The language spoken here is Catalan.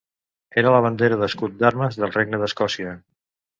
Era la bandera d'escut d'armes del Regne d'Escòcia.